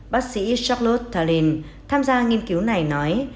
bác sĩ charles talin tham gia nghiên cứu này nói